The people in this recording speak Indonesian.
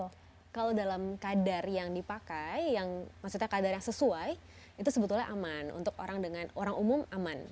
kalau dalam kadar yang dipakai yang maksudnya kadar yang sesuai itu sebetulnya aman untuk orang dengan orang umum aman